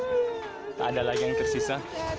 tidak ada lagi yang tersisa